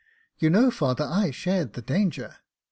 " You know, father, I shared the danger."